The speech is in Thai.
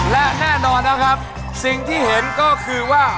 และแน่นอนนะครับสิ่งที่เห็นก็คือว่า